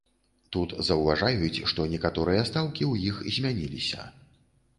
Тут заўважаюць, што некаторыя стаўкі ў іх змяніліся.